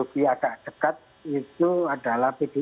kader dengan ijul agak dekat itu adalah pdi